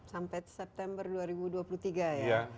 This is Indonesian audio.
sampai september dua ribu dua puluh tiga ya